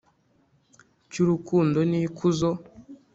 cy’urukundo n’ikuzo